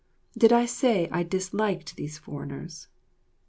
Did I say I disliked these foreigners?